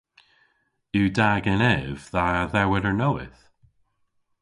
Yw da genev dha dhewweder nowydh?